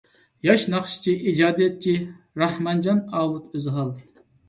ياش ناخشىچى، ئىجادىيەتچى راخمانجان ئاۋۇت ئۆزھال.